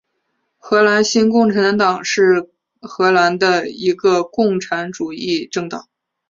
荷兰新共产党是荷兰的一个共产主义政党。